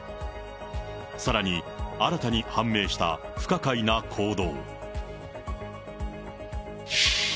さらに新たに判明した不可解な行動。